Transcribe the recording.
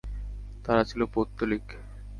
তারা ছিল পৌত্তলিক।